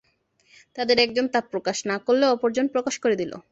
তাদের একজন তা প্রকাশ না করলেও অপরজন প্রকাশ করে দিল।